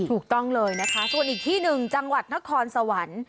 ถูกต้องเลยนะคะส่วนอีกที่หนึ่งจังหวัดนครสวรรค์